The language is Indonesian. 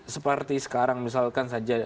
seperti sekarang misalkan saja